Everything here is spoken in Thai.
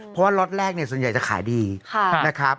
เพราะว่าล็อตแรกเนี่ยส่วนใหญ่จะขายดีนะครับ